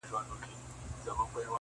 • داببر ببر لاسونه -